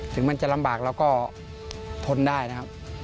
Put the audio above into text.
ถึงมันจะลำบากเราก็ทนได้นะครับ